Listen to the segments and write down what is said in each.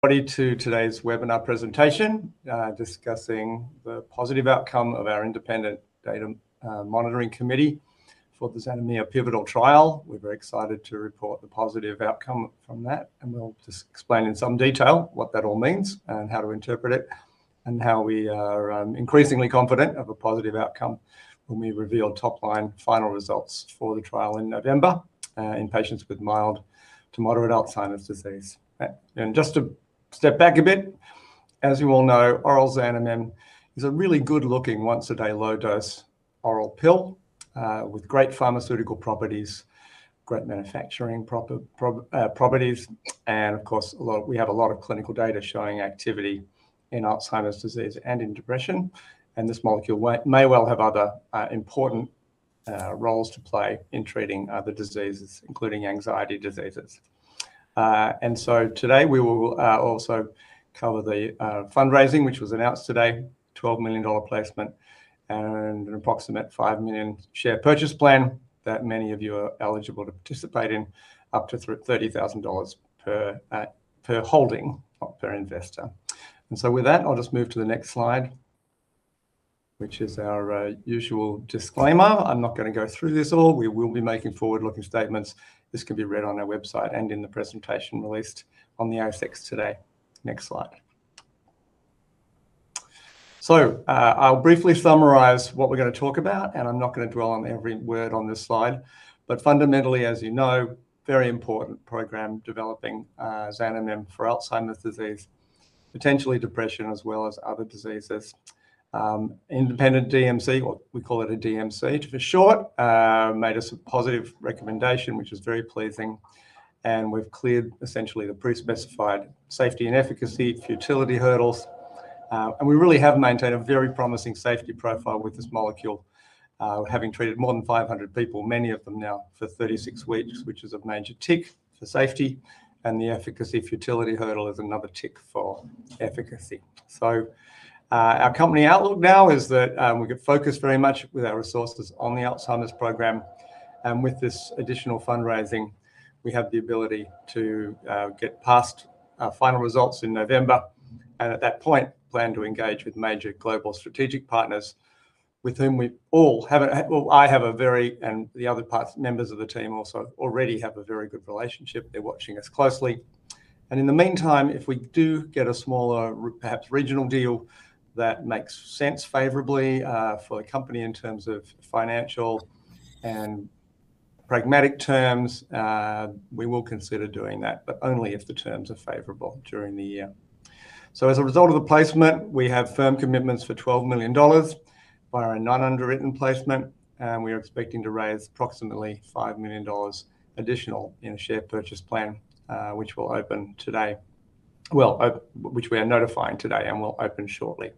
Welcome to today's webinar presentation, discussing the positive outcome of our independent Data Monitoring Committee for the XanaMIA pivotal trial. We're very excited to report the positive outcome from that, and we'll just explain in some detail what that all means, and how to interpret it, and how we are increasingly confident of a positive outcome when we reveal top-line final results for the trial in November, in patients with mild to moderate Alzheimer's disease. Just to step back a bit: as you all know, oral Xanamem is a really good-looking once-a-day low-dose oral pill, with great pharmaceutical properties, great manufacturing properties, and of course we have a lot of clinical data showing activity in Alzheimer's disease and in depression, and this molecule may well have other important roles to play in treating the diseases, including anxiety diseases. And so today we will also cover the fundraising which was announced today: an 12 million dollar placement and an approximate 5 million share purchase plan that many of you are eligible to participate in, up to 30,000 dollars per holding, not per investor. With that I'll just move to the next slide, which is our usual disclaimer. I'm not going to go through this all. We will be making forward-looking statements. This can be read on our website and in the presentation released on the ASX today. Next slide. I'll briefly summarize what we're going to talk about, and I'm not going to dwell on every word on this slide. But fundamentally, as you know, very important program developing Xanamem for Alzheimer's disease, potentially depression as well as other diseases. Independent DMC, what we call it a DMC for short, made us a positive recommendation which is very pleasing, and we've cleared essentially the pre-specified safety and efficacy, futility hurdles, and we really have maintained a very promising safety profile with this molecule, having treated more than 500 people, many of them now for 36 weeks, which is a major tick for safety, and the efficacy/futility hurdle is another tick for efficacy. So, our company outlook now is that we get focused very much with our resources on the Alzheimer's program, and with this additional fundraising we have the ability to get past final results in November and at that point plan to engage with major global strategic partners with whom we all have a, well, I have a very, and the other parts members of the team also already have a very good relationship. They're watching us closely. In the meantime, if we do get a smaller, perhaps regional deal that makes sense favorably, for the company in terms of financial and pragmatic terms, we will consider doing that, but only if the terms are favorable during the year. As a result of the placement we have firm commitments for 12 million dollars via a non-underwritten placement, and we are expecting to raise approximately 5 million dollars additional in a share purchase plan, which will open today—well, which we are notifying today and will open shortly.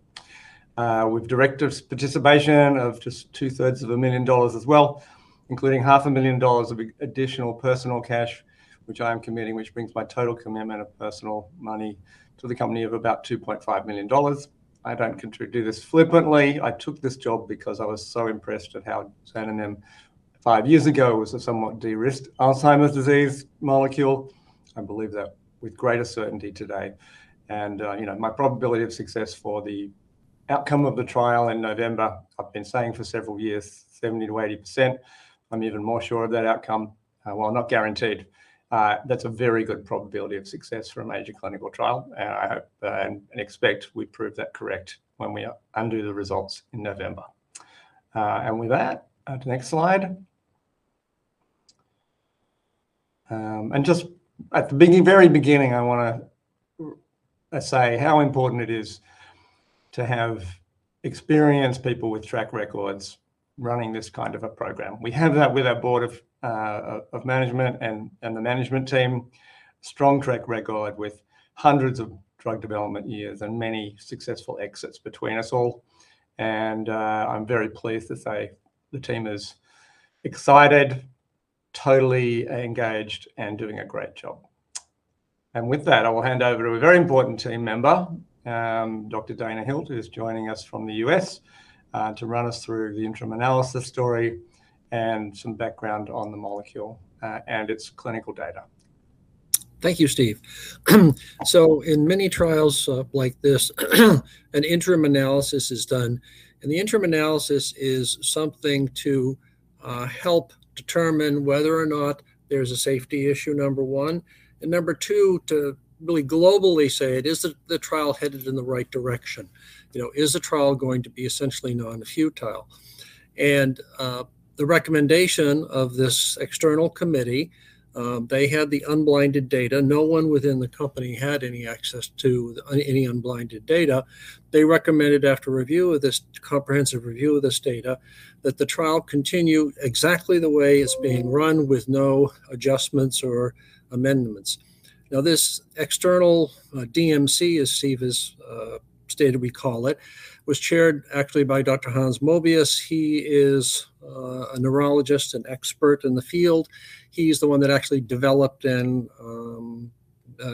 We've directed participation of just 666,667 dollars as well, including 500,000 dollars of additional personal cash which I am committing, which brings my total commitment of personal money to the company of about 2.5 million dollars. I don't do this flippantly; I took this job because I was so impressed at how Xanamem five years ago was a somewhat de-risked Alzheimer's disease molecule. I believe that with greater certainty today. And, you know, my probability of success for the outcome of the trial in November—I've been saying for several years 70%-80%—I'm even more sure of that outcome. Well, not guaranteed. That's a very good probability of success for a major clinical trial, and I hope and expect we prove that correct when we undo the results in November. And with that, to the next slide. And just at the very beginning I want to say how important it is to have experienced people with track records running this kind of a program. We have that with our board of management and the management team, a strong track record with hundreds of drug development years and many successful exits between us all. I'm very pleased to say the team is excited, totally engaged, and doing a great job. With that I will hand over to a very important team member, Dr. Dana Hilt, who is joining us from the U.S., to run us through the interim analysis story and some background on the molecule, and its clinical data. Thank you, Steve. So in many trials, like this, an interim analysis is done, and the interim analysis is something to help determine whether or not there's a safety issue, number one, and number two, to really globally say it, is that the trial headed in the right direction. You know, is the trial going to be essentially non-futile? And the recommendation of this external committee. They had the unblinded data. No one within the company had any access to any unblinded data. They recommended after review of this comprehensive review of this data that the trial continue exactly the way it's being run with no adjustments or amendments. Now this external DMC, as Steve has stated, we call it, was chaired actually by Dr. Hans Moebius. He is a neurologist, an expert in the field. He's the one that actually developed and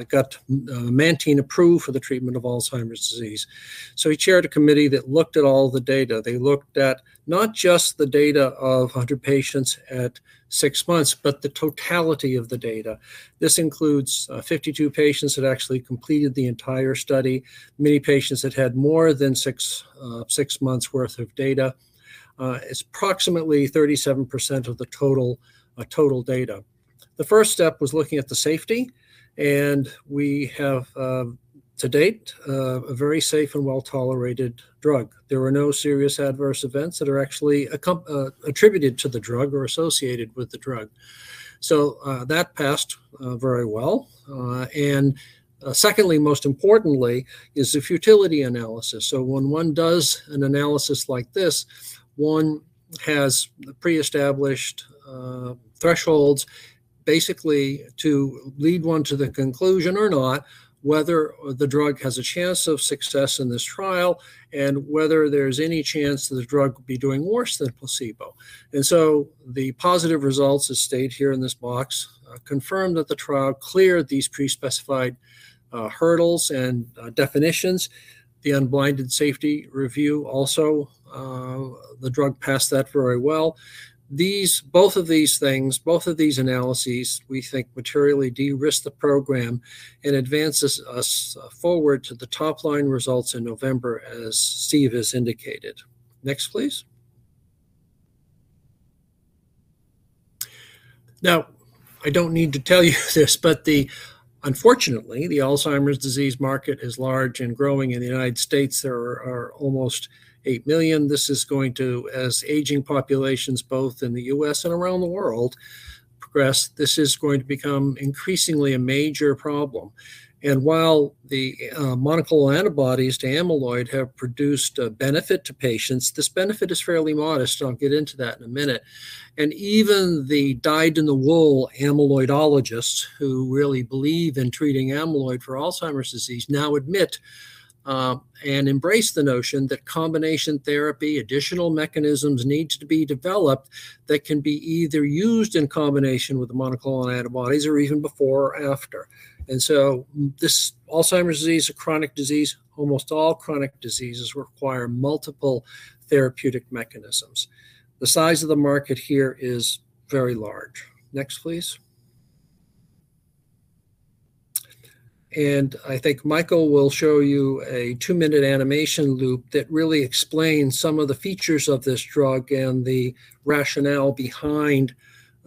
got Namenda approved for the treatment of Alzheimer's disease. So he chaired a committee that looked at all the data. They looked at not just the data of 100 patients at six-months, but the totality of the data. This includes 52 patients that actually completed the entire study, many patients that had more than six-months' worth of data. It's approximately 37% of the total data. The first step was looking at the safety, and we have, to date, a very safe and well-tolerated drug. There were no serious adverse events that are actually attributed to the drug or associated with the drug. So that passed very well. Secondly most importantly is the futility analysis. So when one does an analysis like this, one has pre-established thresholds basically to lead one to the conclusion or not whether the drug has a chance of success in this trial and whether there's any chance that the drug would be doing worse than placebo. And so the positive results, as stated here in this box, confirmed that the trial cleared these pre-specified hurdles and definitions. The unblinded safety review also, the drug passed that very well. These, both of these things, both of these analyses we think materially de-risk the program and advance us forward to the top-line results in November, as Steve has indicated. Next, please. Now I don't need to tell you this, but unfortunately the Alzheimer's disease market is large and growing. In the U.S. there are almost 8 million. This is going to, as aging populations both in the U.S. and around the world progress, this is going to become increasingly a major problem. And while the monoclonal antibodies to amyloid have produced a benefit to patients, this benefit is fairly modest. I'll get into that in a minute. And even the dyed-in-the-wool amyloidologists who really believe in treating amyloid for Alzheimer's disease now admit, and embrace the notion that combination therapy, additional mechanisms need to be developed that can be either used in combination with the monoclonal antibodies or even before or after. And so this Alzheimer's disease is a chronic disease. Almost all chronic diseases require multiple therapeutic mechanisms. The size of the market here is very large. Next, please. I think Michael will show you a two-minute animation loop that really explains some of the features of this drug and the rationale behind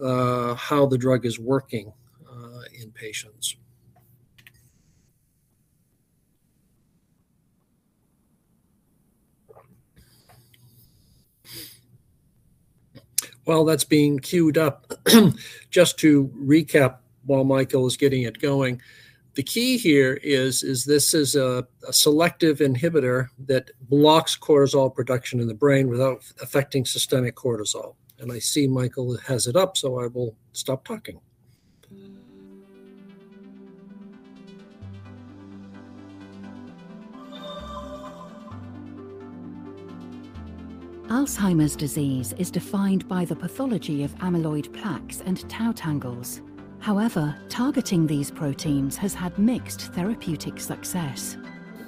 how the drug is working in patients. While that's being queued up, just to recap while Michael is getting it going: the key here is this is a selective inhibitor that blocks cortisol production in the brain without affecting systemic cortisol. I see Michael has it up, so I will stop talking. Alzheimer's disease is defined by the pathology of amyloid plaques and tau tangles. However, targeting these proteins has had mixed therapeutic success.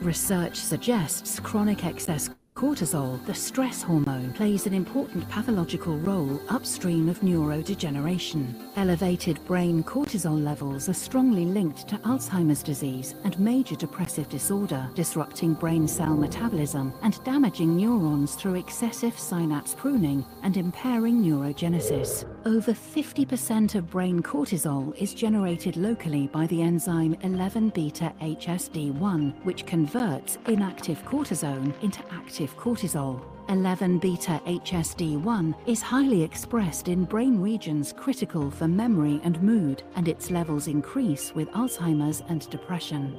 Research suggests chronic excess cortisol, the stress hormone, plays an important pathological role upstream of neurodegeneration. Elevated brain cortisol levels are strongly linked to Alzheimer's disease and major depressive disorder, disrupting brain cell metabolism and damaging neurons through excessive synapse pruning and impairing neurogenesis. Over 50% of brain cortisol is generated locally by the enzyme 11-beta-HSD1, which converts inactive cortisone into active cortisol. 11-beta-HSD1 is highly expressed in brain regions critical for memory and mood, and its levels increase with Alzheimer's and depression.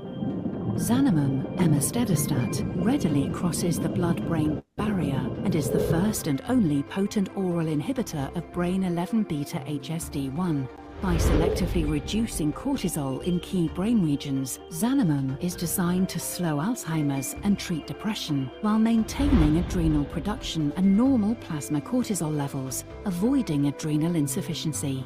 Xanamem/emustadostat readily crosses the blood-brain barrier and is the first and only potent oral inhibitor of brain 11-beta-HSD1. By selectively reducing cortisol in key brain regions, Xanamem is designed to slow Alzheimer's and treat depression while maintaining adrenal production and normal plasma cortisol levels, avoiding adrenal insufficiency.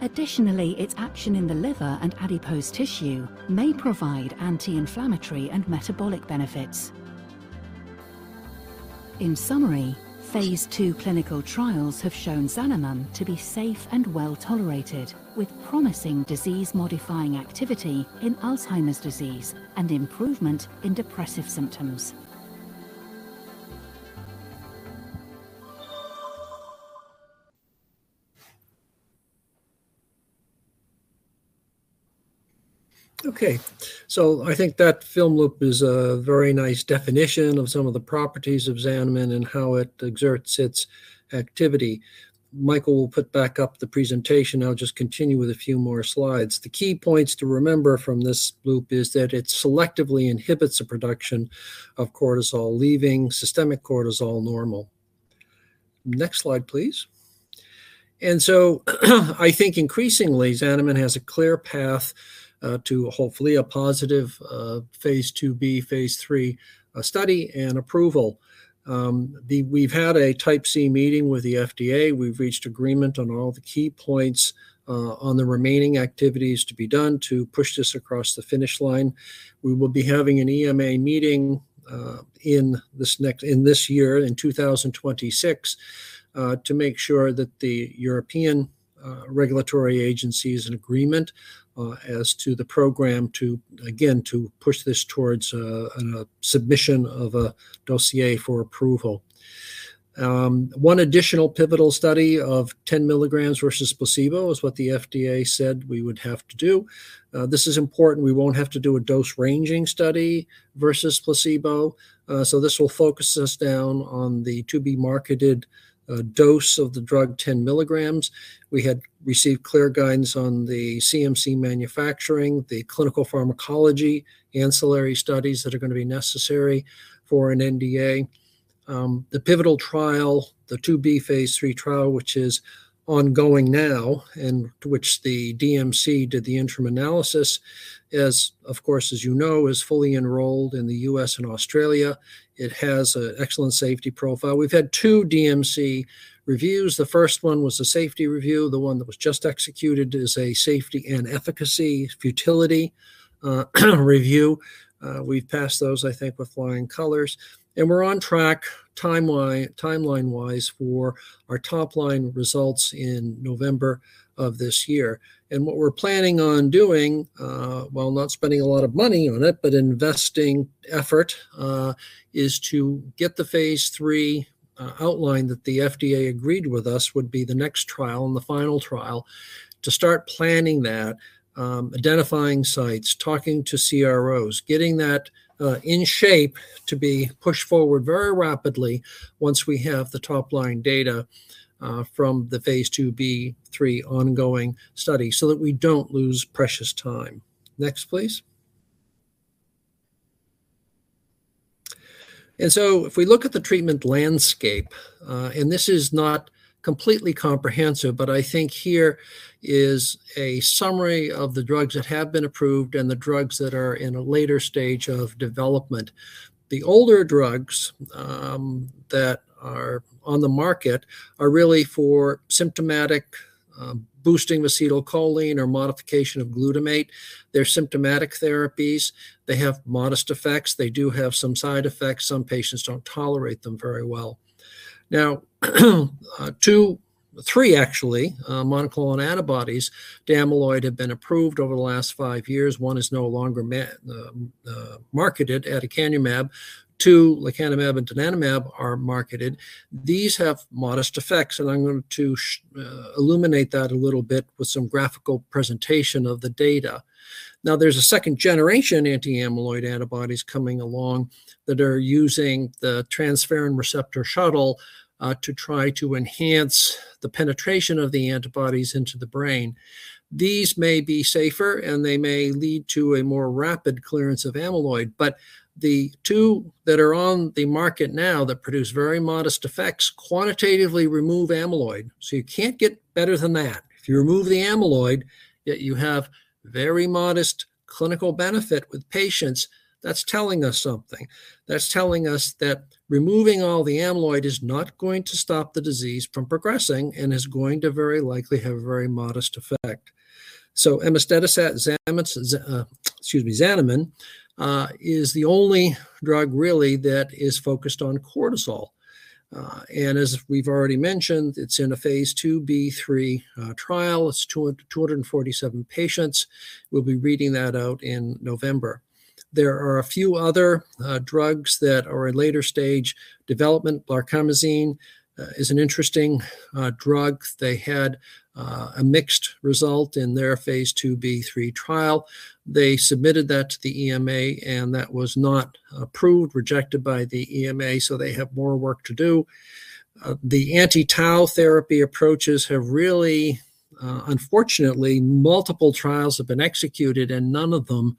Additionally, its action in the liver and adipose tissue may provide anti-inflammatory and metabolic benefits. In summary, phase II clinical trials have shown Xanamem to be safe and well-tolerated, with promising disease-modifying activity in Alzheimer's disease and improvement in depressive symptoms. Okay. So I think that film loop is a very nice definition of some of the properties of Xanamem and how it exerts its activity. Michael will put back up the presentation. I'll just continue with a few more slides. The key points to remember from this loop is that it selectively inhibits the production of cortisol leaving systemic cortisol normal. Next slide, please. So I think increasingly Xanamem has a clear path to hopefully a positive phase IIb phase III study and approval. We've had a Type C meeting with the FDA. We've reached agreement on all the key points on the remaining activities to be done to push this across the finish line. We will be having an EMA meeting, in this next—in this year, in 2026, to make sure that the European regulatory agency is in agreement as to the program to, again, to push this towards a submission of a dossier for approval. One additional pivotal study of 10 mg versus placebo is what the FDA said we would have to do. This is important. We won't have to do a dose ranging study versus placebo. So this will focus us down on the to-be-marketed dose of the drug 10 mg. We had received clear guidance on the CMC manufacturing, the clinical pharmacology ancillary studies that are going to be necessary for an NDA. The pivotal trial, the phase IIb/III trial, which is ongoing now and to which the DMC did the interim analysis, is, of course, as you know, fully enrolled in the U.S. and Australia. It has an excellent safety profile. We've had two DMC reviews. The first one was a safety review. The one that was just executed is a safety and efficacy futility review. We've passed those, I think, with flying colors. And we're on track timeline-wise for our top-line results in November of this year. What we're planning on doing, while not spending a lot of money on it but investing effort, is to get the phase III outline that the FDA agreed with us would be the next trial and the final trial, to start planning that, identifying sites, talking to CROs, getting that in shape to be pushed forward very rapidly once we have the top-line data from the phase IIb/III ongoing study so that we don't lose precious time. Next, please. So if we look at the treatment landscape, and this is not completely comprehensive, but I think here is a summary of the drugs that have been approved and the drugs that are in a later stage of development. The older drugs that are on the market are really for symptomatic boosting acetylcholine or modification of glutamate. They're symptomatic therapies. They have modest effects. They do have some side effects. Some patients don't tolerate them very well. Now, two-three actually, monoclonal antibodies to amyloid have been approved over the last five years. One is no longer marketed, Aduhelm. Two, lecanemab and donanemab, are marketed. These have modest effects, and I'm going to illuminate that a little bit with some graphical presentation of the data. Now, there's a second generation anti-amyloid antibodies coming along that are using the transferrin receptor shuttle, to try to enhance the penetration of the antibodies into the brain. These may be safer, and they may lead to a more rapid clearance of amyloid, but the two that are on the market now that produce very modest effects quantitatively remove amyloid. So you can't get better than that. If you remove the amyloid, yet you have very modest clinical benefit with patients, that's telling us something. That's telling us that removing all the amyloid is not going to stop the disease from progressing and is going to very likely have a very modest effect. So emustadostat—excuse me—Xanamem, is the only drug really that is focused on cortisol. And as we've already mentioned, it's in a phase IIb/III trial. It's 247 patients. We'll be reading that out in November. There are a few other drugs that are in later stage development. Blarcamesine is an interesting drug. They had a mixed result in their phase IIb/III trial. They submitted that to the EMA, and that was not approved, rejected by the EMA, so they have more work to do. The anti-tau therapy approaches have really, unfortunately, multiple trials have been executed, and none of them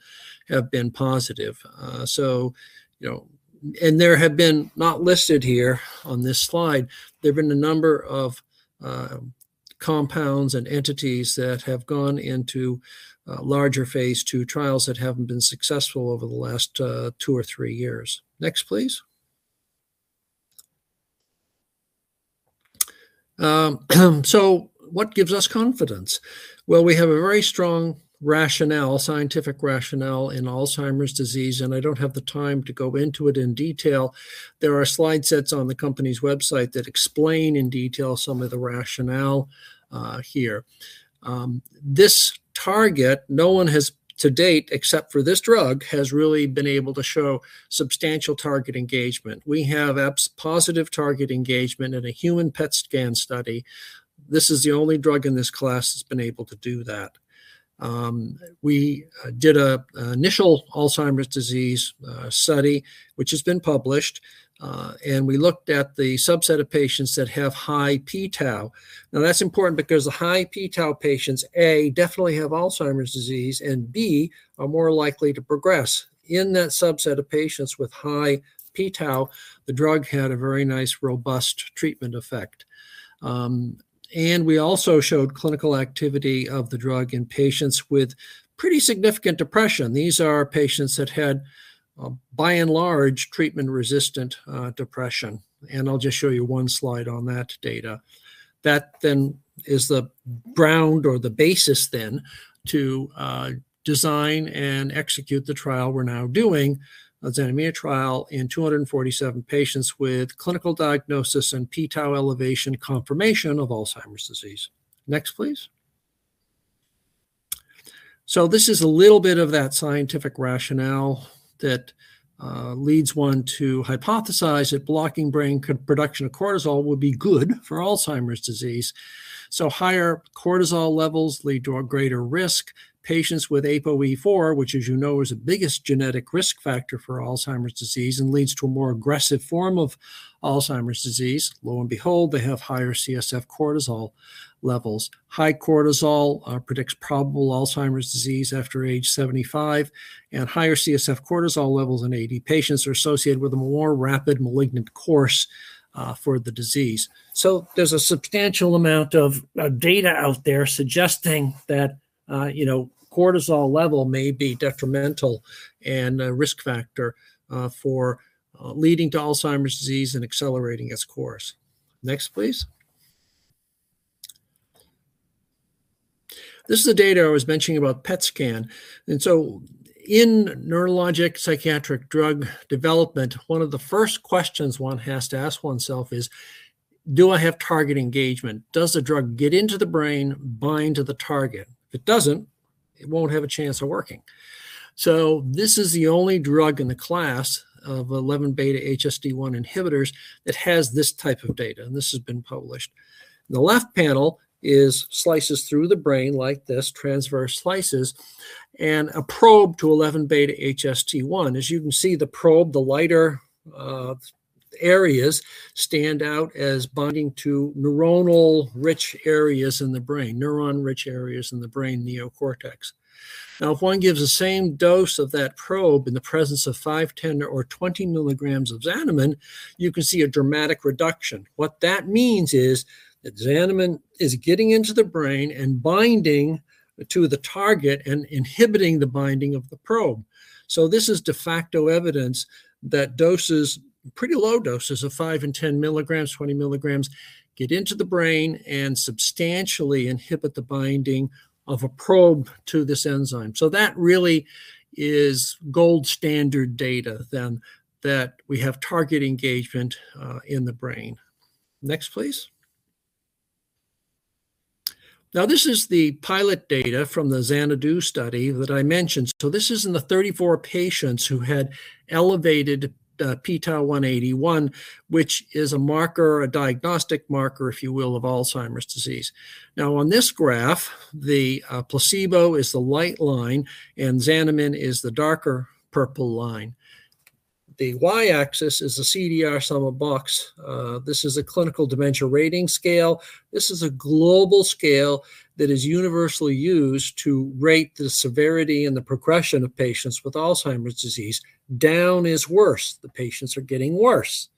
have been positive. So, you know—and there have been (not listed here on this slide) there have been a number of compounds and entities that have gone into larger phase II trials that haven't been successful over the last two or three years. Next, please. So what gives us confidence? Well, we have a very strong rationale, scientific rationale, in Alzheimer's disease, and I don't have the time to go into it in detail. There are slide sets on the company's website that explain in detail some of the rationale here. This target (no one has to date, except for this drug) has really been able to show substantial target engagement. We have positive target engagement in a human PET scan study. This is the only drug in this class that's been able to do that. We did an initial Alzheimer's disease study, which has been published, and we looked at the subset of patients that have high p-Tau. Now, that's important because the high p-Tau patients, A, definitely have Alzheimer's disease, and B, are more likely to progress. In that subset of patients with high p-Tau, the drug had a very nice, robust treatment effect. We also showed clinical activity of the drug in patients with pretty significant depression. These are patients that had, by and large, treatment-resistant depression. I'll just show you one slide on that data. That then is the ground or the basis then to design and execute the trial we're now doing, the XanaMIA trial, in 247 patients with clinical diagnosis and p-Tau elevation confirmation of Alzheimer's disease. Next, please. So this is a little bit of that scientific rationale that leads one to hypothesize that blocking brain production of cortisol would be good for Alzheimer's disease. So higher cortisol levels lead to a greater risk. Patients with APOE4, which, as you know, is the biggest genetic risk factor for Alzheimer's disease and leads to a more aggressive form of Alzheimer's disease. Lo and behold, they have higher CSF cortisol levels. High cortisol predicts probable Alzheimer's disease after age 75, and higher CSF cortisol levels in 80 patients are associated with a more rapid malignant course for the disease. So there's a substantial amount of data out there suggesting that, you know, cortisol level may be detrimental and a risk factor for leading to Alzheimer's disease and accelerating its course. Next, please. This is the data I was mentioning about PET scan. And so in neurologic psychiatric drug development, one of the first questions one has to ask oneself is: do I have target engagement? Does the drug get into the brain, bind to the target? If it doesn't, it won't have a chance of working. So this is the only drug in the class of 11-beta-HSD1 inhibitors that has this type of data, and this has been published. The left panel is slices through the brain like this, transverse slices, and a probe to 11-beta-HSD1. As you can see, the probe, the lighter areas stand out as binding to neuronal-rich areas in the brain, neuron-rich areas in the brain neocortex. Now, if one gives the same dose of that probe in the presence of five, 10, or 20 mg of Xanamem, you can see a dramatic reduction. What that means is that Xanamem is getting into the brain and binding to the target and inhibiting the binding of the probe. So this is de facto evidence that doses—pretty low doses of five and 10 mg, 20 mg—get into the brain and substantially inhibit the binding of a probe to this enzyme. So that really is gold standard data then that we have target engagement, in the brain. Next, please. Now, this is the pilot data from the XanaDU study that I mentioned. So this is in the 34 patients who had elevated p-Tau181, which is a marker—a diagnostic marker, if you will—of Alzheimer's disease. Now, on this graph, the placebo is the light line, and Xanamem is the darker purple line. The y-axis is the CDR Sum of Boxes. This is a clinical dementia rating scale. This is a global scale that is universally used to rate the severity and the progression of patients with Alzheimer's disease. Down is worse. The patients are getting worse.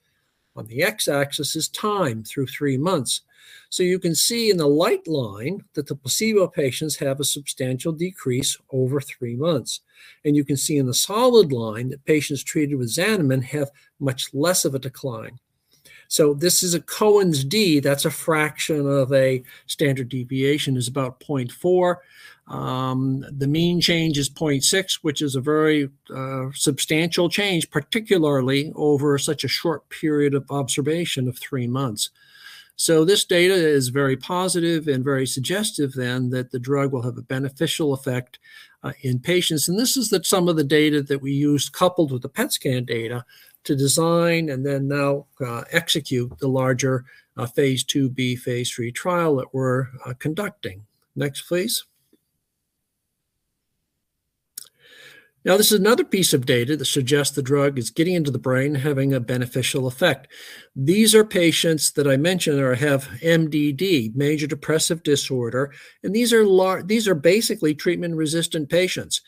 On the x-axis is time through three months. So you can see in the light line that the placebo patients have a substantial decrease over three months. You can see in the solid line that patients treated with Xanamem have much less of a decline. So this is a Cohen's d. That's a fraction of a standard deviation. It's about 0.4. The mean change is 0.6, which is a very substantial change, particularly over such a short period of observation of three months. So this data is very positive and very suggestive then that the drug will have a beneficial effect in patients. And this is some of the data that we used coupled with the PET scan data to design and then now execute the larger phase IIb phase III trial that we're conducting. Next, please. Now, this is another piece of data that suggests the drug is getting into the brain, having a beneficial effect. These are patients that I mentioned that have MDD, major depressive disorder, and these are, these are basically treatment-resistant patients.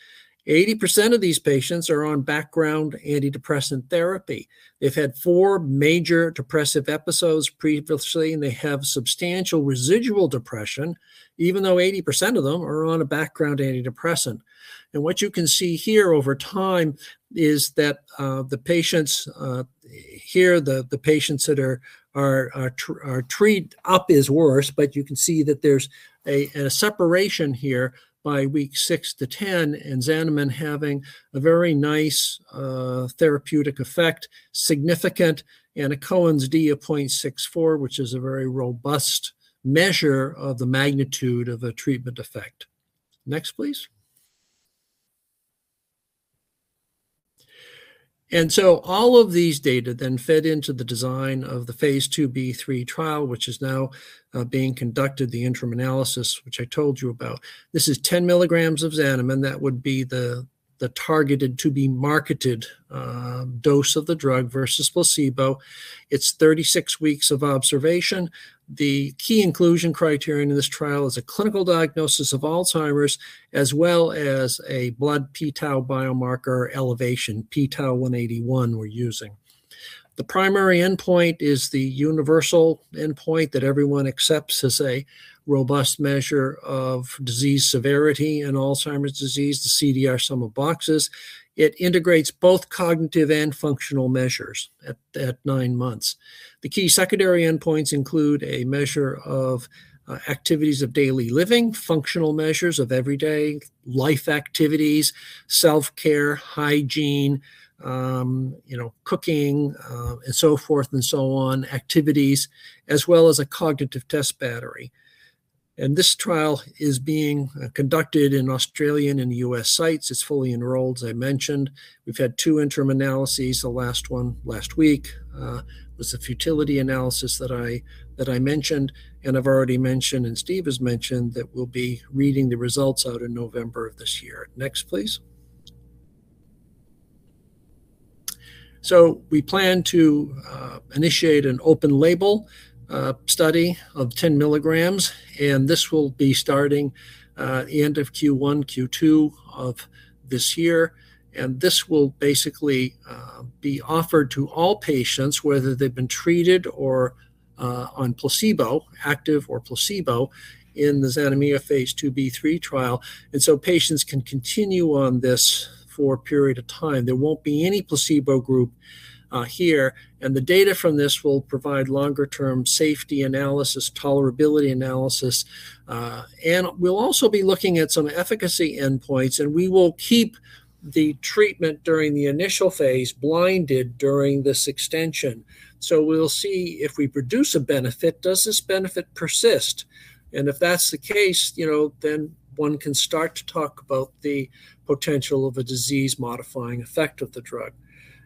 80% of these patients are on background antidepressant therapy. They've had four major depressive episodes previously, and they have substantial residual depression, even though 80% of them are on a background antidepressant. What you can see here over time is that, the patients here, the patients that are treated but is worse, but you can see that there's a and a separation here by weeks six to 10 in Xanamem having a very nice, therapeutic effect, significant, and a Cohen's d of 0.64, which is a very robust measure of the magnitude of a treatment effect. Next, please. So all of these data then fit into the design of the phase IIb/III trial, which is now being conducted, the interim analysis, which I told you about. This is 10 mg of Xanamem. That would be the targeted to be marketed dose of the drug versus placebo. It's 36 weeks of observation. The key inclusion criteria in this trial is a clinical diagnosis of Alzheimer's, as well as a blood p-Tau181 biomarker elevation, p-Tau181, we're using. The primary endpoint is the universal endpoint that everyone accepts as a robust measure of disease severity in Alzheimer's disease - the CDR Sum of Boxes. It integrates both cognitive and functional measures at nine months. The key secondary endpoints include a measure of activities of daily living - functional measures of everyday life activities - self-care, hygiene, you know, cooking, and so forth and so on - activities - as well as a cognitive test battery. This trial is being conducted in Australian and U.S. sites. It's fully enrolled, as I mentioned. We've had two interim analyses. The last one last week was a futility analysis that I mentioned, and I've already mentioned - and Steve has mentioned - that we'll be reading the results out in November of this year. Next, please. So we plan to initiate an open-label study of 10 mg, and this will be starting the end of Q1, Q2 of this year. And this will basically be offered to all patients, whether they've been treated or on placebo, active or placebo, in the XanaMIA phase IIb/III trial. And so patients can continue on this for a period of time. There won't be any placebo group here, and the data from this will provide longer-term safety analysis, tolerability analysis, and we'll also be looking at some efficacy endpoints, and we will keep the treatment during the initial phase blinded during this extension. So we'll see if we produce a benefit, does this benefit persist? And if that's the case, you know, then one can start to talk about the potential of a disease-modifying effect of the drug.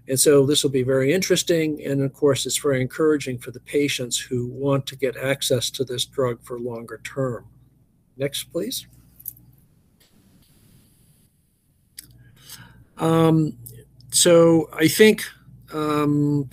And so this will be very interesting, and of course, it's very encouraging for the patients who want to get access to this drug for longer term. Next, please. So I think I'll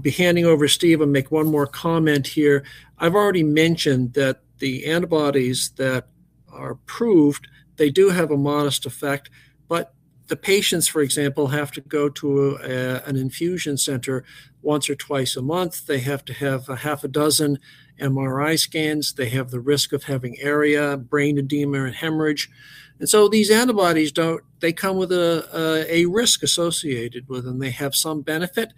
be handing over to Steve and make one more comment here. I've already mentioned that the antibodies that are approved, they do have a modest effect, but the patients, for example, have to go to an infusion center once or twice a month. They have to have a half a dozen MRI scans. They have the risk of having ARIA, brain edema, and hemorrhage. And so these antibodies don't—they come with a risk associated with, and they have some benefit.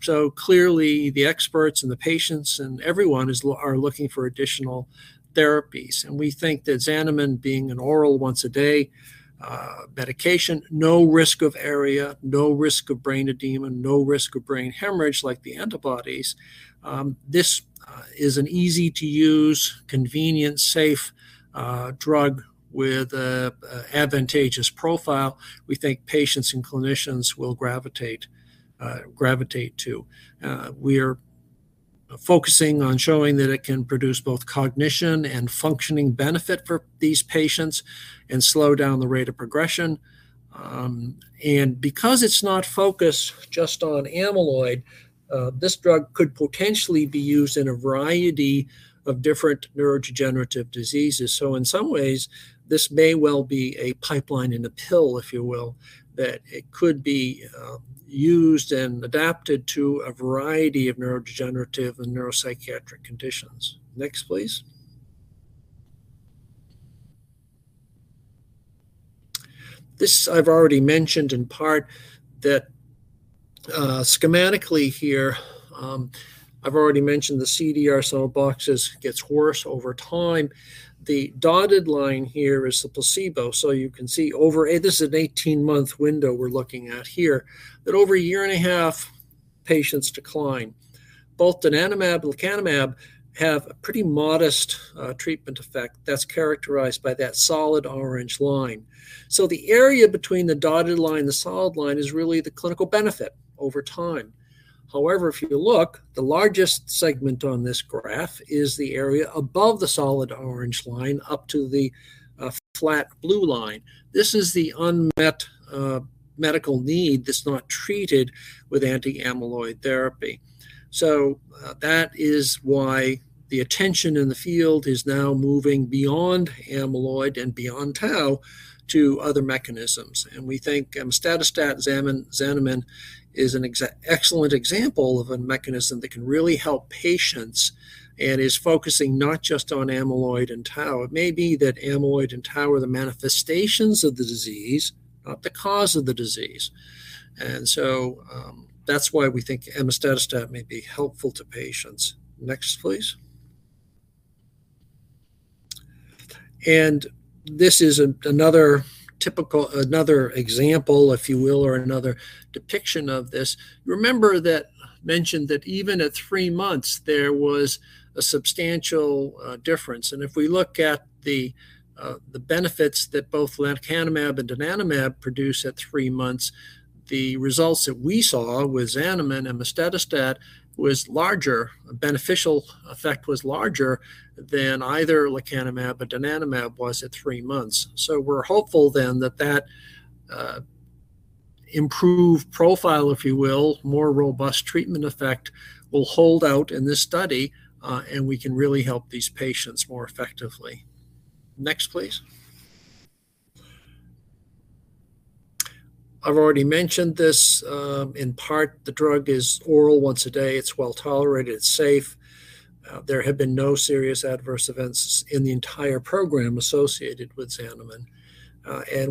So clearly, the experts and the patients and everyone are looking for additional therapies. And we think that Xanamem, being an oral once-a-day medication—no risk of ARIA, no risk of brain edema, no risk of brain hemorrhage like the antibodies—this is an easy-to-use, convenient, safe drug with an advantageous profile. We think patients and clinicians will gravitate, gravitate to. We are focusing on showing that it can produce both cognition and functioning benefit for these patients and slow down the rate of progression. Because it's not focused just on amyloid, this drug could potentially be used in a variety of different neurodegenerative diseases. In some ways, this may well be a pipeline in the pill, if you will, that it could be used and adapted to a variety of neurodegenerative and neuropsychiatric conditions. Next, please. This, I've already mentioned in part that, schematically here, I've already mentioned the CDR Sum of Boxes gets worse over time. The dotted line here is the placebo. So you can see over—this is an 18-month window we're looking at here—that over a year and a half, patients decline. Both donanemab and lecanemab have a pretty modest treatment effect that's characterized by that solid orange line. So the area between the dotted line and the solid line is really the clinical benefit over time. However, if you look, the largest segment on this graph is the area above the solid orange line up to the flat blue line. This is the unmet medical need that's not treated with anti-amyloid therapy. So, that is why the attention in the field is now moving beyond amyloid and beyond tau to other mechanisms. And we think emustadostat Xanamem is an excellent example of a mechanism that can really help patients and is focusing not just on amyloid and tau. It may be that amyloid and tau are the manifestations of the disease, not the cause of the disease. And so, that's why we think emustadostat may be helpful to patients. Next, please. And this is another typical, another example, if you will, or another depiction of this. Remember that mentioned that even at three months there was a substantial difference. If we look at the benefits that both lecanemab and donanemab produce at three months, the results that we saw with Xanamem and emustadostat was larger. A beneficial effect was larger than either lecanemab or donanemab was at three months. So we're hopeful then that improved profile, if you will, more robust treatment effect will hold out in this study, and we can really help these patients more effectively. Next, please. I've already mentioned this, in part. The drug is oral once a day. It's well tolerated. It's safe. There have been no serious adverse events in the entire program associated with Xanamem.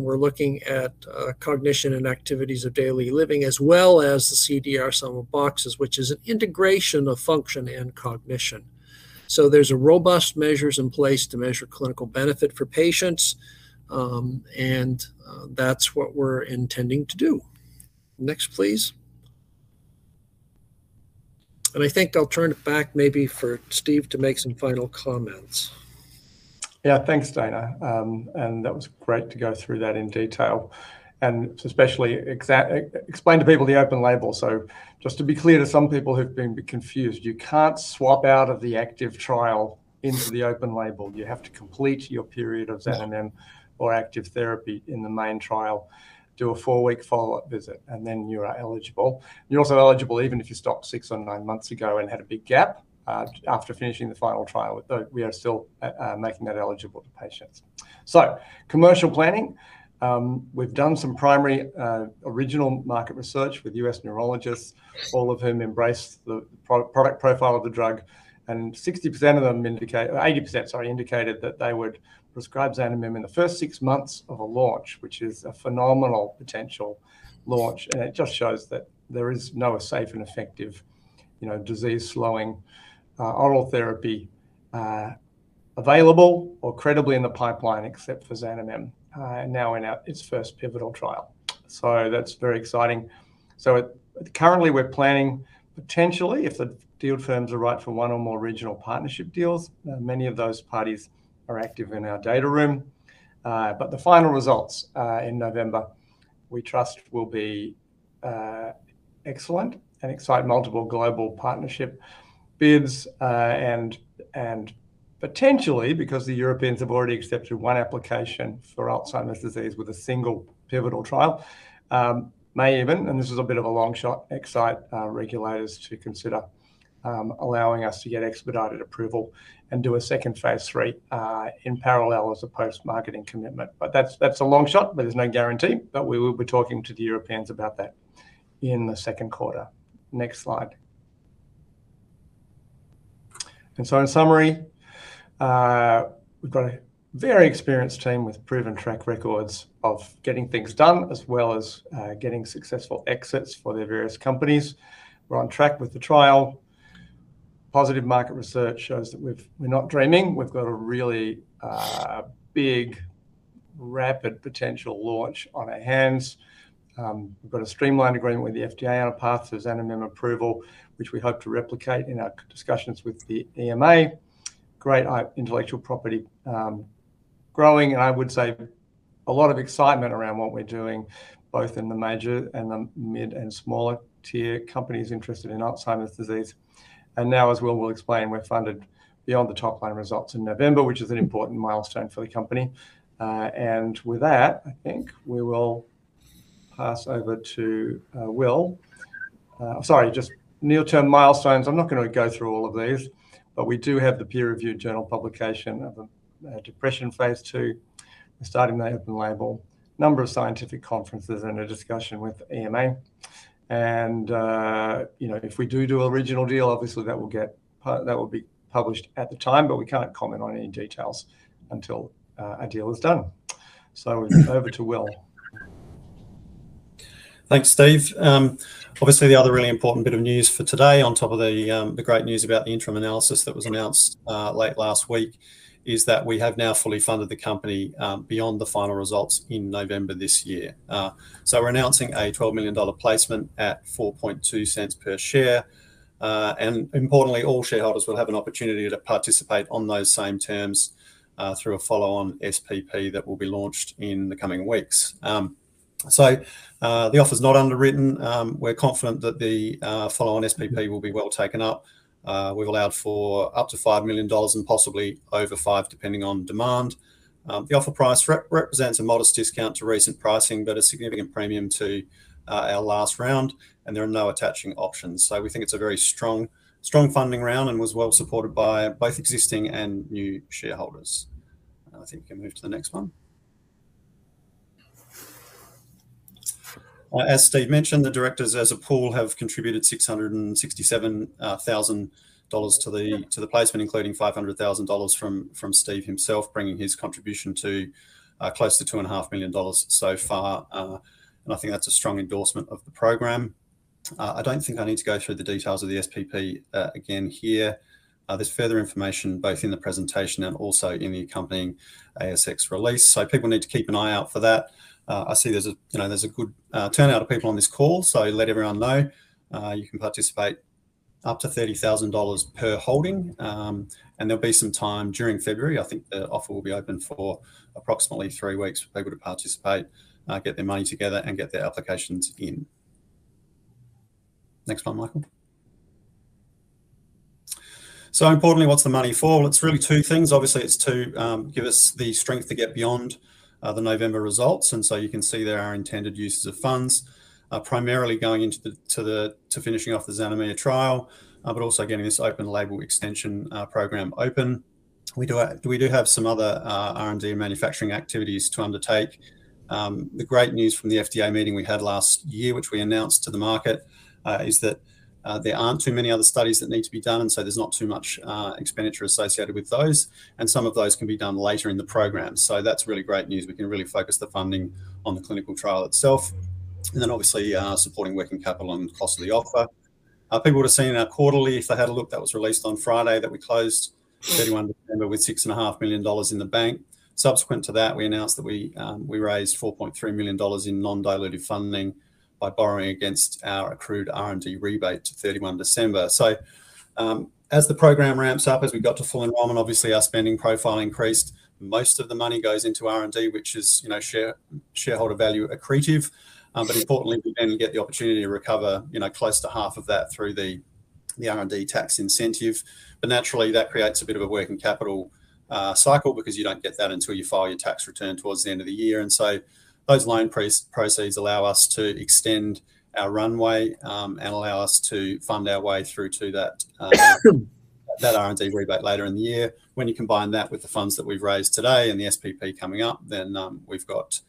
We're looking at cognition and activities of daily living as well as the CDR Sum of Boxes, which is an integration of function and cognition. So there's robust measures in place to measure clinical benefit for patients, and that's what we're intending to do. Next, please. And I think I'll turn it back maybe for Steve to make some final comments. Yeah, thanks, Dana. And that was great to go through that in detail. And especially explain to people the open label. So just to be clear to some people who've been confused, you can't swap out of the active trial into the open label. You have to complete your period of Xanamem or active therapy in the main trial, do a four-week follow-up visit, and then you are eligible. You're also eligible even if you stopped six or nine months ago and had a big gap, after finishing the final trial. Though we are still making that eligible to patients. So commercial planning. We've done some primary, original market research with U.S. neurologists, all of whom embraced the product profile of the drug. And 60% of them indicated, or 80%, sorry, indicated that they would prescribe Xanamem in the first six months of a launch, which is a phenomenal potential launch. And it just shows that there is no safe and effective, you know, disease-slowing, oral therapy, available or credibly in the pipeline except for Xanamem, now in its first pivotal trial. So that's very exciting. So currently we're planning potentially, if the deal firms are right, for one or more regional partnership deals. Many of those parties are active in our data room. But the final results, in November, we trust will be excellent and excite multiple global partnership bids. Potentially, because the Europeans have already accepted one application for Alzheimer's disease with a single pivotal trial, it may even - and this is a bit of a long shot - excite regulators to consider allowing us to get expedited approval and do a second phase III in parallel as opposed to marketing commitment. But that's a long shot, but there's no guarantee. But we will be talking to the Europeans about that in the second quarter. Next slide. And so in summary, we've got a very experienced team with proven track records of getting things done as well as getting successful exits for their various companies. We're on track with the trial. Positive market research shows that we're not dreaming. We've got a really big rapid potential launch on our hands. We've got a streamlined agreement with the FDA on a path to Xanamem approval, which we hope to replicate in our discussions with the EMA. Great intellectual property, growing, and I would say a lot of excitement around what we're doing both in the major and the mid and smaller tier companies interested in Alzheimer's disease. And now, as Will will explain, we're funded beyond the top-line results in November, which is an important milestone for the company. And with that, I think we will pass over to Will. Sorry, just near-term milestones. I'm not going to go through all of these, but we do have the peer-reviewed journal publication of a depression phase II. We're starting the open label. A number of scientific conferences and a discussion with the EMA. You know, if we do do a regional deal, obviously that will get—that will be published at the time, but we can't comment on any details until a deal is done. So we'll move over to Will. Thanks, Steve. Obviously the other really important bit of news for today on top of the great news about the interim analysis that was announced late last week is that we have now fully funded the company beyond the final results in November this year. So we're announcing a 12 million dollar placement at 0.42 per share. And importantly, all shareholders will have an opportunity to participate on those same terms through a follow-on SPP that will be launched in the coming weeks. So the offer is not underwritten. We're confident that the follow-on SPP will be well taken up. We've allowed for up to 5 million dollars and possibly over 5 million depending on demand. The offer price represents a modest discount to recent pricing, but a significant premium to our last round, and there are no attaching options. So we think it's a very strong, strong funding round and was well supported by both existing and new shareholders. I think we can move to the next one. As Steve mentioned, the directors, as a pool, have contributed 667,000 dollars to the placement, including 500,000 dollars from Steve himself, bringing his contribution to close to 2.5 million dollars so far. And I think that's a strong endorsement of the program. I don't think I need to go through the details of the SPP again here. There's further information both in the presentation and also in the accompanying ASX release, so people need to keep an eye out for that. I see there's a—you know, there's a good turnout of people on this call, so let everyone know. You can participate up to 30,000 dollars per holding. There'll be some time during February. I think the offer will be open for approximately three weeks for people to participate, get their money together, and get their applications in. Next one, Michael. So importantly, what's the money for? Well, it's really two things. Obviously, it's to give us the strength to get beyond the November results. So you can see there are intended uses of funds, primarily going into finishing off the Xanamem trial, but also getting this open-label extension program open. We have some other R&D and manufacturing activities to undertake. The great news from the FDA meeting we had last year, which we announced to the market, is that there aren't too many other studies that need to be done, and so there's not too much expenditure associated with those, and some of those can be done later in the program. So that's really great news. We can really focus the funding on the clinical trial itself. And then obviously, supporting working capital and cost of the offer. People would have seen in our quarterly, if they had a look, that was released on Friday that we closed 31 December with 6.5 million dollars in the bank. Subsequent to that, we announced that we raised 4.3 million dollars in non-dilutive funding by borrowing against our accrued R&D rebate to 31 December. So, as the program ramps up, as we got to full enrollment, obviously our spending profile increased. Most of the money goes into R&D, which is, you know, shareholder value accretive. But importantly, we then get the opportunity to recover, you know, close to half of that through the R&D tax incentive. But naturally, that creates a bit of a working capital cycle because you don't get that until you file your tax return towards the end of the year. And so those loan proceeds allow us to extend our runway, and allow us to fund our way through to that R&D rebate later in the year. When you combine that with the funds that we've raised today and the SPP coming up, then we've got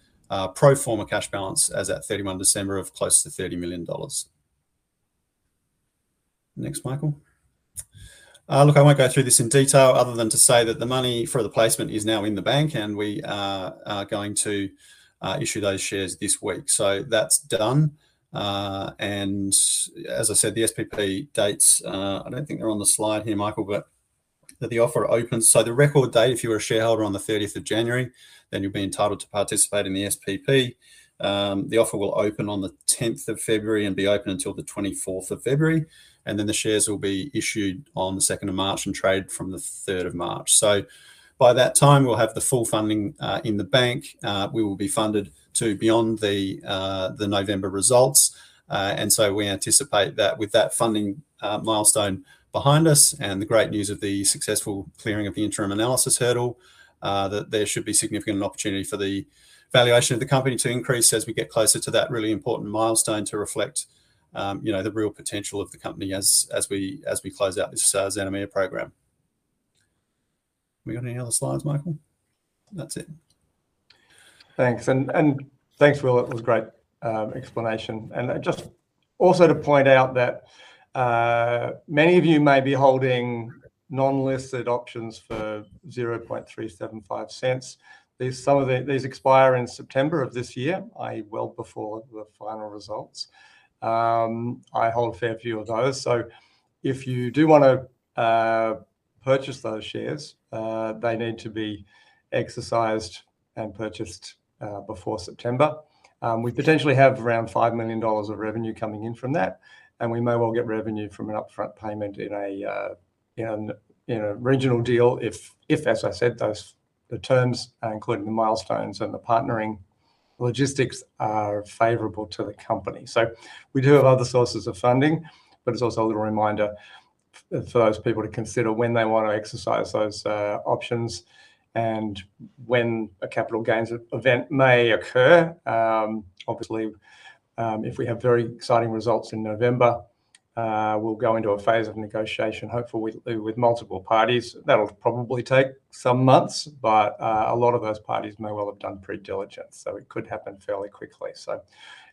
pro forma cash balance as at 31 December of close to 30 million dollars. Next, Michael. Look, I won't go through this in detail other than to say that the money for the placement is now in the bank and we are going to issue those shares this week. So that's done. And as I said, the SPP dates—I don't think they're on the slide here, Michael—but that the offer opens. So the record date, if you were a shareholder on the 30th of January, then you'll be entitled to participate in the SPP. The offer will open on the 10th of February and be open until the 24th of February, and then the shares will be issued on the 2nd of March and traded from the 3rd of March. So by that time, we'll have the full funding in the bank. We will be funded to beyond the November results. So we anticipate that with that funding, milestone behind us and the great news of the successful clearing of the interim analysis hurdle, that there should be significant opportunity for the valuation of the company to increase as we get closer to that really important milestone to reflect, you know, the real potential of the company as we close out this Xanamem program. Have we got any other slides, Michael? That's it. Thanks. And thanks, Will. It was a great explanation. And just also to point out that many of you may be holding non-listed options for 0.375. Some of these expire in September of this year, i.e., well before the final results. I hold a fair few of those. So if you do want to purchase those shares, they need to be exercised and purchased before September. We potentially have around 5 million dollars of revenue coming in from that, and we may well get revenue from an upfront payment in a you know, regional deal if, as I said, those the terms, including the milestones and the partnering logistics, are favorable to the company. So we do have other sources of funding, but it's also a little reminder for those people to consider when they want to exercise those, options and when a capital gains event may occur. Obviously, if we have very exciting results in November, we'll go into a phase of negotiation, hopefully with multiple parties. That'll probably take some months, but, a lot of those parties may well have done pre-diligence, so it could happen fairly quickly. So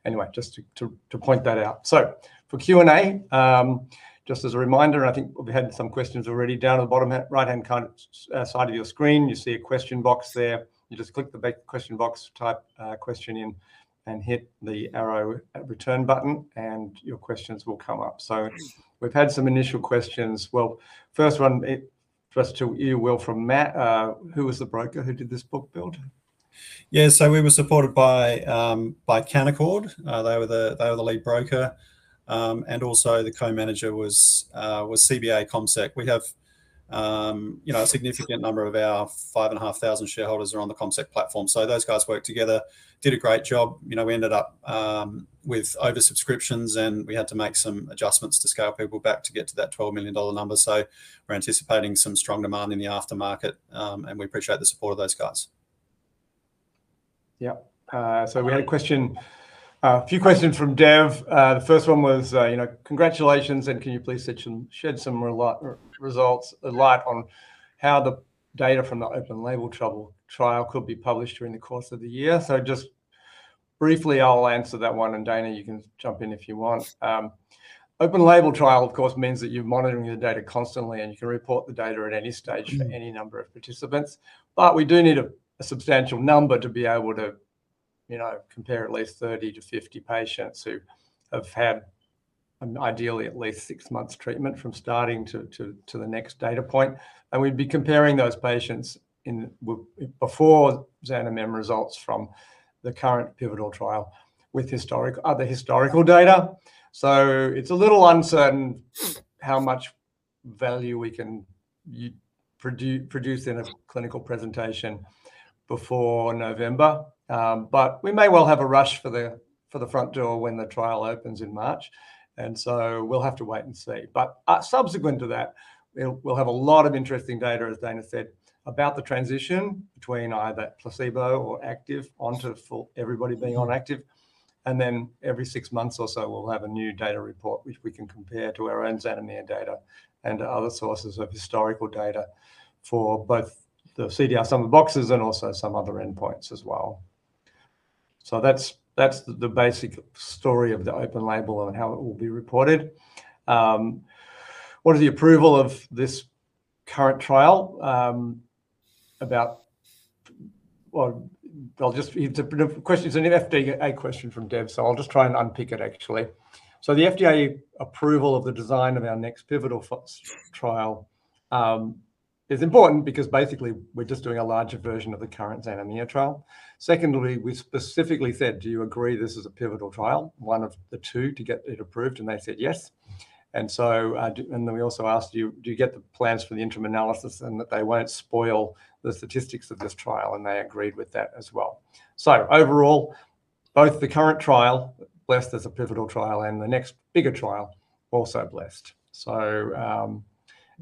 anyway, just to point that out. So for Q&A, just as a reminder, and I think we've had some questions already, down at the bottom right-hand side of your screen, you see a question box there. You just click the question box, type a question in, and hit the arrow return button, and your questions will come up. So we've had some initial questions. Well, first one for us to you, Will, from Matt, who was the broker who did this book build? Yeah, so we were supported by Canaccord. They were the lead broker, and also the co-manager was CBA CommSec. We have, you know, a significant number of our 5,500 shareholders are on the CommSec platform, so those guys worked together, did a great job. You know, we ended up, with oversubscriptions and we had to make some adjustments to scale people back to get to that 12 million dollar number. So we're anticipating some strong demand in the aftermarket, and we appreciate the support of those guys. Yep. So we had a question, a few questions from Dev. The first one was, you know, congratulations and can you please shed some light on the results from the open-label extension trial could be published during the course of the year? So just briefly, I'll answer that one, and Dana, you can jump in if you want. Open-label trial, of course, means that you're monitoring the data constantly and you can report the data at any stage for any number of participants, but we do need a substantial number to be able to, you know, compare at least 30-50 patients who have had an ideally at least six months treatment from starting to the next data point. And we'd be comparing those patients' pre-Xanamem results from the current pivotal trial with other historical data. So it's a little uncertain how much value we can produce in a clinical presentation before November, but we may well have a rush for the front door when the trial opens in March, and so we'll have to wait and see. But subsequent to that, we'll have a lot of interesting data, as Dana said, about the transition between either placebo or active onto everybody being on active, and then every six months or so we'll have a new data report which we can compare to our own Xanamem data and to other sources of historical data for both the CDR Sum of Boxes and also some other endpoints as well. So that's that's the basic story of the open label and how it will be reported. What is the approval of this current trial? About well, I'll just it's a question it's an FDA question from Dev, so I'll just try and unpick it, actually. So the FDA approval of the design of our next pivotal trial is important because basically we're just doing a larger version of the current Xanamem trial. Secondly, we specifically said, do you agree this is a pivotal trial, one of the two, to get it approved? And they said yes. And so and then we also asked, do you do you get the plans for the interim analysis and that they won't spoil the statistics of this trial? And they agreed with that as well. So overall, both the current trial, blessed as a pivotal trial, and the next bigger trial, also blessed. So,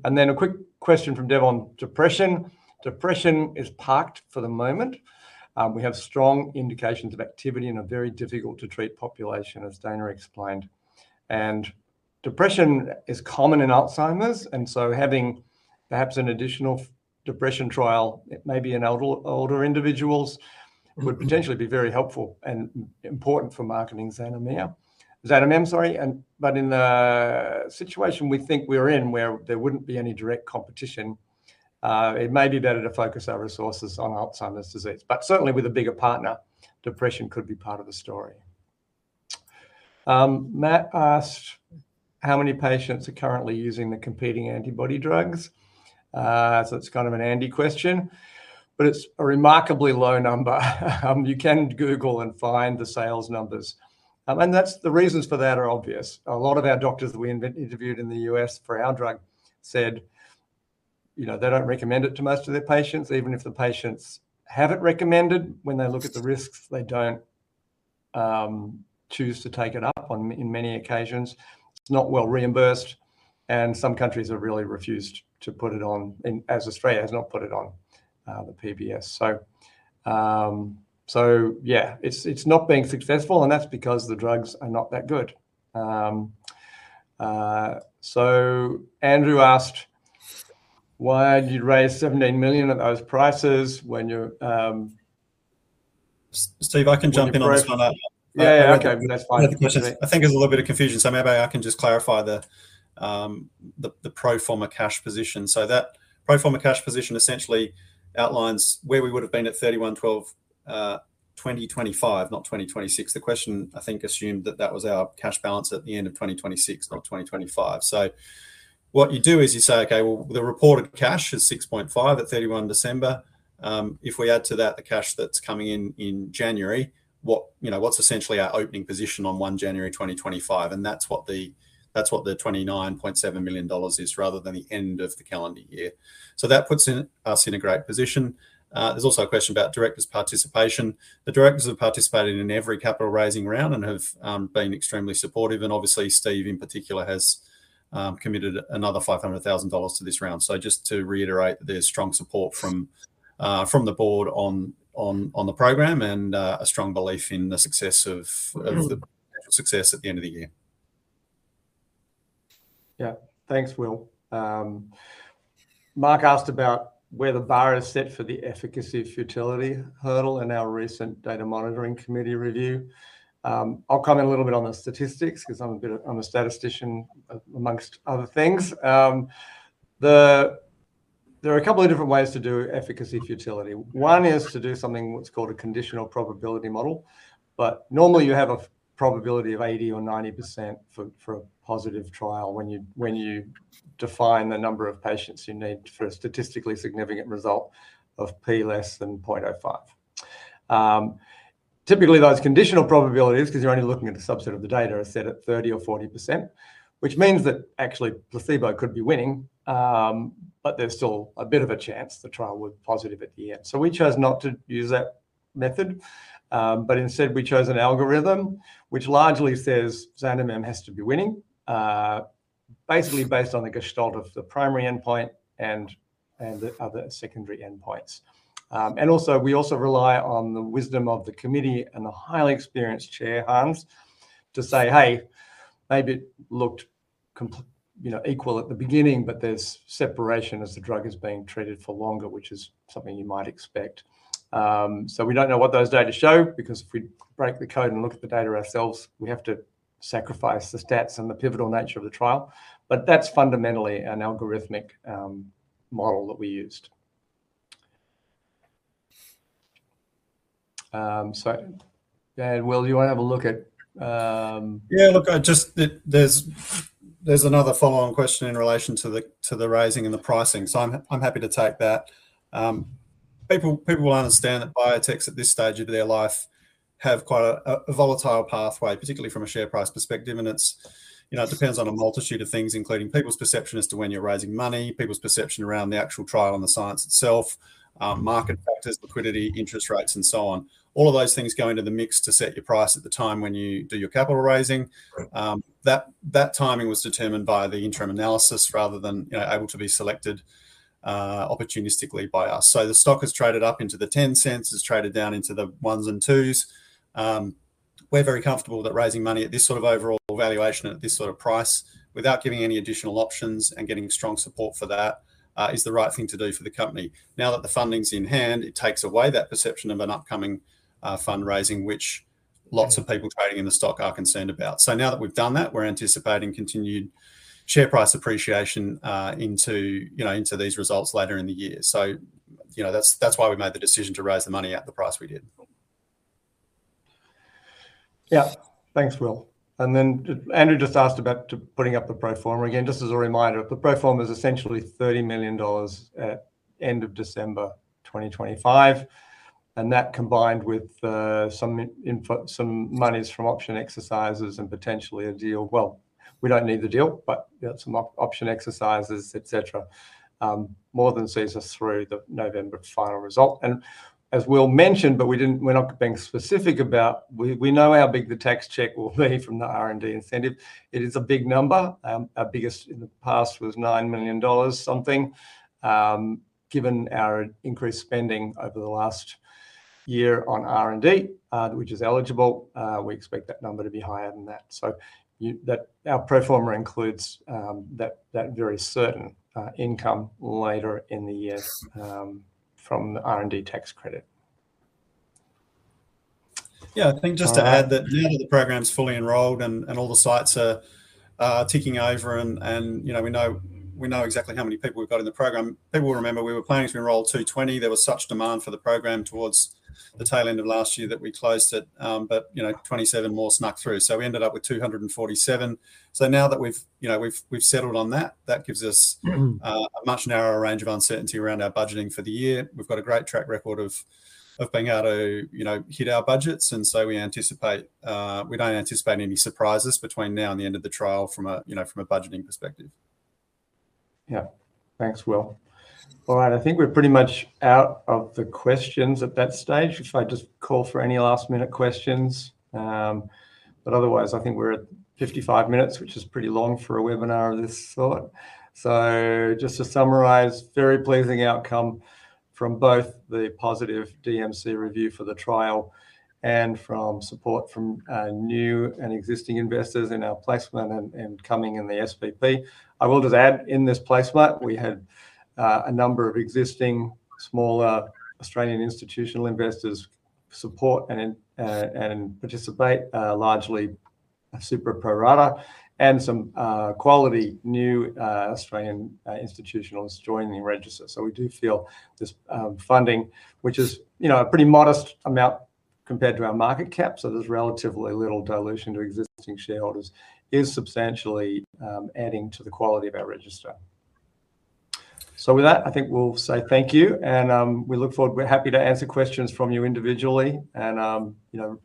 and then a quick question from Dev on depression. Depression is parked for the moment. We have strong indications of activity in a very difficult-to-treat population, as Dana explained. And depression is common in Alzheimer's, and so having perhaps an additional depression trial at maybe in older individuals would potentially be very helpful and important for marketing Xanamem. Sorry, but in the situation we think we're in where there wouldn't be any direct competition, it may be better to focus our resources on Alzheimer's disease. But certainly with a bigger partner, depression could be part of the story. Matt asked how many patients are currently using the competing antibody drugs. So it's kind of an anti-question, but it's a remarkably low number. You can Google and find the sales numbers. And that's the reasons for that are obvious. A lot of our doctors that we interviewed in the U.S. for our drug said, you know, they don't recommend it to most of their patients. Even if the patients have it recommended, when they look at the risks, they don't choose to take it up on in many occasions. It's not well reimbursed, and some countries have really refused to put it on, as Australia has not put it on, the PBS. So yeah, it's not being successful, and that's because the drugs are not that good. So Andrew asked why did you raise 17 million at those prices when you're, Steve, I can jump in on this one. Yeah, yeah, yeah, okay, that's fine. I think there's a little bit of confusion, so maybe I can just clarify the pro forma cash position. So that pro forma cash position essentially outlines where we would have been at 31/12/2025, not 2026. The question, I think, assumed that that was our cash balance at the end of 2026, not 2025. So what you do is you say, okay, well, the reported cash is 6.5 million at 31 December. If we add to that the cash that's coming in in January, what, you know, what's essentially our opening position on 1 January 2025? And that's what the 29.7 million dollars is rather than the end of the calendar year. So that puts us in a great position. There's also a question about directors' participation. The directors have participated in every capital raising round and have been extremely supportive. And obviously, Steve in particular has committed another 500,000 dollars to this round. So just to reiterate that there's strong support from the board on the program and a strong belief in the success at the end of the year. Yep. Thanks, Will. Mark asked about where the bar is set for the efficacy futility hurdle in our recent Data Monitoring Committee review. I'll comment a little bit on the statistics because I'm a bit of a statistician among other things. There are a couple of different ways to do efficacy futility. One is to do something what's called a conditional probability model, but normally you have a probability of 80% or 90% for a positive trial when you define the number of patients you need for a statistically significant result of p less than 0.05. Typically, those conditional probabilities, because you're only looking at a subset of the data, are set at 30% or 40%, which means that actually placebo could be winning, but there's still a bit of a chance the trial would be positive at the end. So we chose not to use that method, but instead we chose an algorithm which largely says Xanamem has to be winning, basically based on the gestalt of the primary endpoint and the other secondary endpoints. And we also rely on the wisdom of the committee and the highly experienced chair, Hans, to say, hey, maybe it looked complete, you know, equal at the beginning, but there's separation as the drug is being treated for longer, which is something you might expect. So we don't know what those data show because if we break the code and look at the data ourselves, we have to sacrifice the stats and the pivotal nature of the trial. But that's fundamentally an algorithmic model that we used. So then, Will, do you want to have a look at? Yeah, look, I just—there's another follow-on question in relation to the raising and the pricing, so I'm happy to take that. People will understand that biotechs at this stage of their life have quite a volatile pathway, particularly from a share price perspective. And it's, you know, it depends on a multitude of things, including people's perception as to when you're raising money, people's perception around the actual trial and the science itself, market factors, liquidity, interest rates, and so on. All of those things go into the mix to set your price at the time when you do your capital raising. That timing was determined by the interim analysis rather than, you know, able to be selected, opportunistically by us. So the stock has traded up into the 0.10, has traded down into the ones and twos. We're very comfortable that raising money at this sort of overall valuation at this sort of price without giving any additional options and getting strong support for that is the right thing to do for the company. Now that the funding's in hand, it takes away that perception of an upcoming fundraising which lots of people trading in the stock are concerned about. So now that we've done that, we're anticipating continued share price appreciation into, you know, into these results later in the year. So, you know, that's that's why we made the decision to raise the money at the price we did. Yep. Thanks, Will. And then Andrew just asked about putting up the pro forma. Again, just as a reminder, the pro forma is essentially 30 million dollars at end of December 2025, and that combined with some income, some monies from option exercises and potentially a deal—well, we don't need the deal, but some option exercises, et cetera.—more than sees us through the November final result. And as Will mentioned, but we're not being specific about; we know how big the tax check will be from the R&D incentive. It is a big number. Our biggest in the past was 9 million dollars something. Given our increased spending over the last year on R&D, which is eligible, we expect that number to be higher than that. So you know that our pro forma includes that very certain income later in the year from the R&D tax credit. Yeah, I think just to add that now that the program is fully enrolled and all the sites are ticking over and, you know, we know exactly how many people we've got in the program. People will remember we were planning to enroll 220. There was such demand for the program towards the tail end of last year that we closed it, but, you know, 27 more snuck through. So we ended up with 247. So now that we've, you know, we've settled on that, that gives us a much narrower range of uncertainty around our budgeting for the year. We've got a great track record of being able to, you know, hit our budgets, and so we anticipate we don't anticipate any surprises between now and the end of the trial from a, you know, from a budgeting perspective. Yep. Thanks, Will. All right. I think we're pretty much out of the questions at that stage. If I just call for any last-minute questions, but otherwise I think we're at 55 minutes, which is pretty long for a webinar of this sort. So just to summarise, very pleasing outcome from both the positive DMC review for the trial and from support from new and existing investors in our placement and coming in the SPP. I will just add in this placement we had a number of existing smaller Australian institutional investors support and participate, largely super pro rata, and some quality new Australian institutionals joining the register. So we do feel this funding, which is, you know, a pretty modest amount compared to our market cap, so there's relatively little dilution to existing shareholders, is substantially adding to the quality of our register. So with that, I think we'll say thank you, and we look forward, we're happy to answer questions from you individually, and, you know,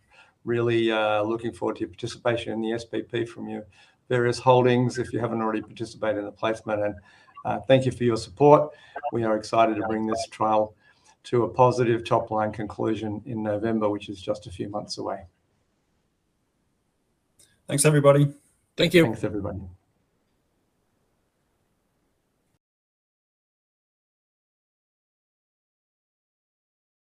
really looking forward to your participation in the SPP from your various holdings if you haven't already participated in the placement. And thank you for your support. We are excited to bring this trial to a positive top-line conclusion in November, which is just a few months away. Thanks, everybody. Thank you. Thanks, everybody.